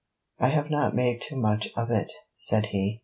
'I have not made too much of it?' said he.